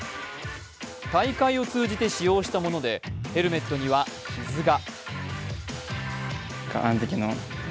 大会を通じて使用したもので、ヘルメットには傷が。